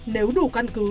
nếu đủ căn cứ